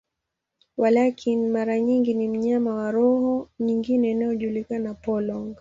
Walakini, mara nyingi ni mnyama wa roho nyingine inayojulikana, polong.